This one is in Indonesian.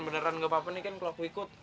beneran gak apa apa nih kan kalau aku ikut